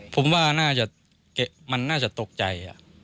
ผมว่าน่าจะมันน่าจะตกใจ